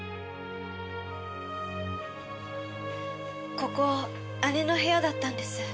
ここ姉の部屋だったんです。